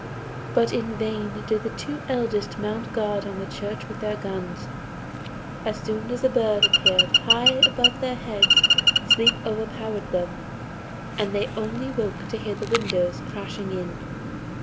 But in vain did the two eldest mount guard in the church with their guns; as soon as the bird appeared high above their heads, sleep overpowered them, and they only awoke to hear the windows crashing in.